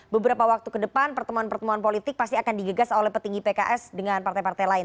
beberapa waktu ke depan pertemuan pertemuan politik pasti akan digegas oleh petinggi pks dengan partai partai lain